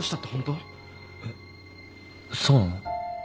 えっそうなの？